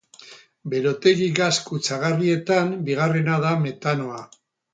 Berotegi gas kutsagarrietan bigarrena da metanoa.